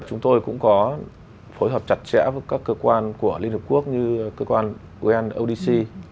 chúng tôi cũng có phối hợp chặt chẽ với các cơ quan của liên hợp quốc như cơ quan unodc